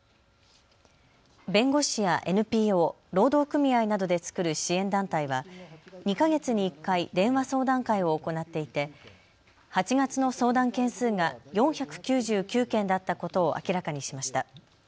弁護士やＮＰＯ、労働組合などで作る支援団体は２か月に１回、電話相談会を行っていて８月の相談件数が４９９件だったことを明らかにしました。